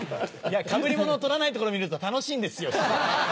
かぶり物取らないところみると楽しいんですよ。